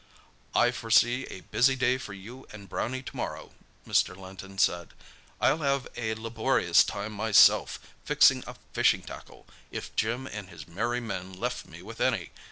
"I foresee a busy day for you and Brownie tomorrow," Mr. Linton said. "I'll have a laborious time myself, fixing up fishing tackle—if Jim and his merry men left me with any.